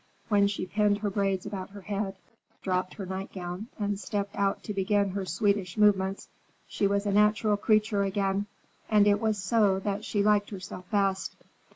When she pinned her braids about her head, dropped her nightgown and stepped out to begin her Swedish movements, she was a natural creature again, and it was so that she liked herself best.